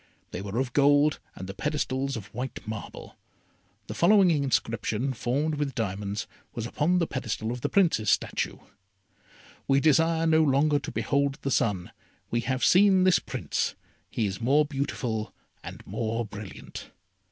They were of gold, and the pedestals of white marble. The following inscription, formed with diamonds, was upon the pedestal of the Prince's statue: "We desire no longer to behold the sun, We have seen this Prince; He is more beautiful and more brilliant."